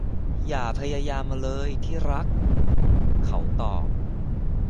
อย่าพยายามเลยที่รัก เขาตอบ